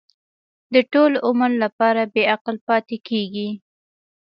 د ټول عمر لپاره بې عقل پاتې کېږي.